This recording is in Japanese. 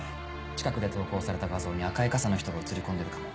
近くで投稿された画像に赤い傘の人が写り込んでるかも。